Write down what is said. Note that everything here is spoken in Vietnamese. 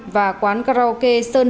và quán karaoke sơn hai